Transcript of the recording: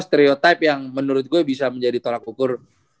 stereotype yang menurut gue bisa menjadi tolak ukur